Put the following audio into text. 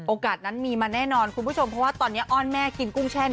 นั้นมีมาแน่นอนคุณผู้ชมเพราะว่าตอนนี้อ้อนแม่กินกุ้งแช่